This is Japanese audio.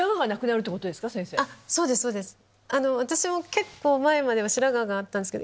結構前までは白髪があったんですけど。